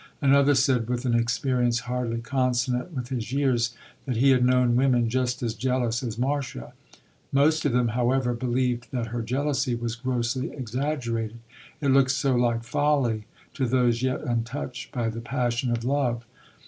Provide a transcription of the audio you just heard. Another said, with an experience hardly consonant with his years, that he had known women just as jealous as Marcia. Most of them, however, believed that her jealousy was grossly exaggerated; it looks so like folly to those yet untouched by the passion of love.